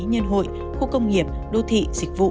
nhân hội khu công nghiệp đô thị dịch vụ